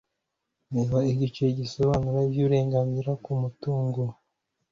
reba igice gisobanura iby'uburenganzira ku mutungo